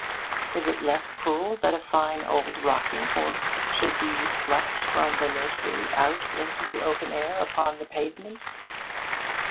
Is it less cruel that a fine old rocking horse should be thrust from the nursery out into the open air, upon the pavement?